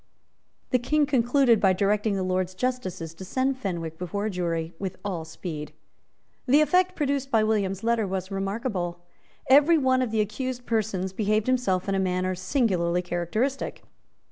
The King concluded by directing the Lords justices to send Fenwick before a jury with all speed. The effect produced by William's letter was remarkable. Every one of the accused persons behaved himself in a manner singularly characteristic.